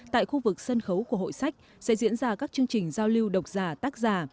tại khu vực sân khấu của hội sách sẽ diễn ra các chương trình giao lưu độc giả tác giả